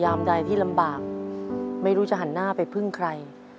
ใดที่ลำบากไม่รู้จะหันหน้าไปพึ่งใคร